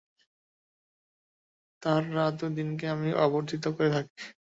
তার রাত ও দিনকে আমিই আবর্তিত করে থাকি।